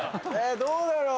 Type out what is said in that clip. どうだろう？